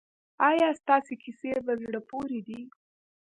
ایا ستاسو کیسې په زړه پورې دي؟